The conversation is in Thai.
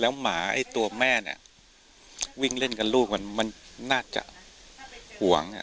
แล้วหมาไอ้ตัวแม่น่ะวิ่งเล่นกับลูกมันน่าจะห่วง